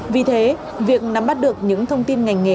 vì thế việc nắm bắt được những thông tin ngành nghề